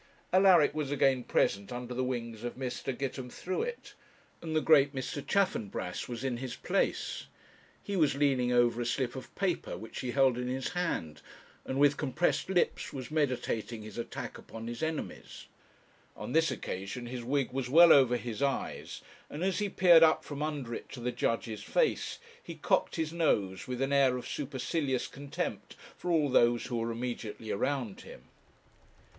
Alaric was again present under the wings of Mr. Gitemthruet; and the great Mr. Chaffanbrass was in his place. He was leaning over a slip of paper which he held in his hand, and with compressed lips was meditating his attack upon his enemies; on this occasion his wig was well over his eyes, and as he peered up from under it to the judge's face, he cocked his nose with an air of supercilious contempt for all those who were immediately around him.